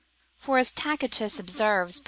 For, as Tacitus observes, l.